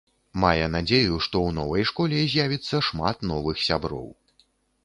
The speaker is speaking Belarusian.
Мае надзею, што ў новай школе з'явіцца шмат новых сяброў.